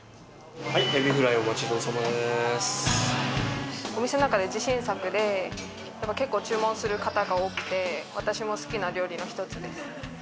はい、エビフライ、お待ちどお店の中で自信作で、結構注文する方が多くて、私も好きな料理の一つです。